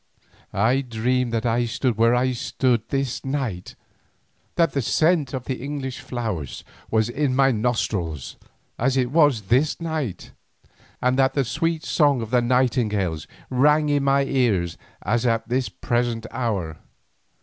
I dreamed that I stood where I stood this night, that the scent of the English flowers was in my nostrils as it was this night, and that the sweet song of the nightingales rang in my ears as at this present hour.